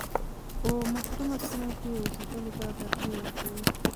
په محرومه سیمه کې اوسېدلو ته ترجیح ورکوي.